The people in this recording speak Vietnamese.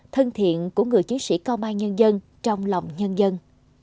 thân thiện của người chiến sĩ công an nhân dân trong lòng nhân dân